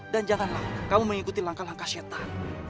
dan janganlah kamu mengikuti langkah langkah syaitan